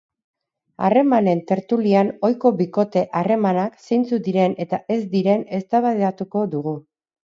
Harremanen tertulian ohiko bikote harremanak zeintzuk diren eta ez diren eztabaidatuko dugu.